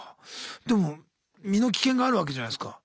でも身の危険があるわけじゃないすか。